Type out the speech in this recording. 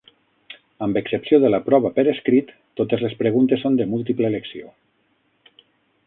Amb excepció de la prova per escrit, totes les preguntes són de múltiple elecció.